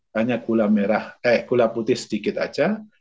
hanya gula putih sedikit saja